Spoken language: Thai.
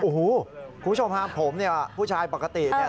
โอ้โหคุณผู้ชมฮะผมเนี่ยผู้ชายปกติเนี่ย